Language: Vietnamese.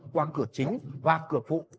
qua cửa chính và cửa phụ